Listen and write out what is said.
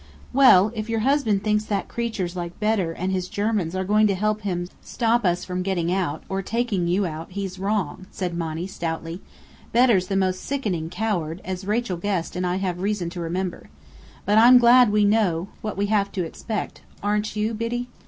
"Well, if your husband thinks that creatures like Bedr and his Germans are going to help him stop us from getting out, or taking you out, he's wrong," said Monny, stoutly. "Bedr's the most sickening coward, as Rachel Guest and I have reason to remember. But I'm glad we know what we have to expect, aren't you, Biddy?"